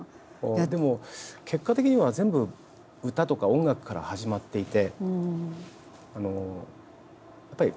でも結果的には全部歌とか音楽から始まっていて。